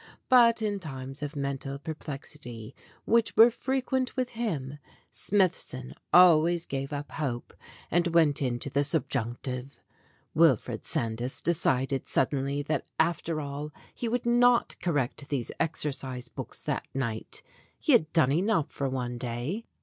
But in times of mental perplexity, which were frequent with him, Smithson always gave up hope and went into the sub junctive. Wilfred Sandys decided suddenly that, after all, he would not correct those exercise books that night; he had done enough for one day.